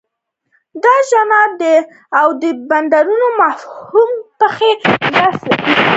د ژانر او دوربندۍ مفاهیم پکې بحث کیږي.